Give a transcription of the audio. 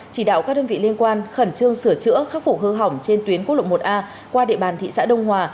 chỉ đạo các đơn vị liên quan khẩn trương sửa chữa khắc phục hư hỏng trên tuyến quốc lộ một a qua địa bàn thị xã đông hòa